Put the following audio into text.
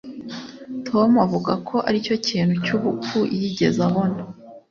tom avuga ko aricyo kintu cyubupfu yigeze abona.